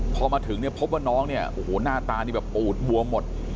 พอมาถึงเนี่ยพบว่าน้องเนี่ยโอ้โหหน้าตานี่แบบปูดบวมหมด